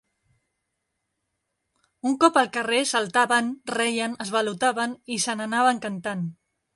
Un cop al carrer saltaven, reien, esvalotaven i se'n anaven cantant